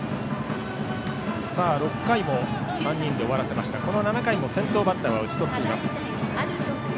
６回も３人で終わらせましたが７回も先頭バッター打ち取った。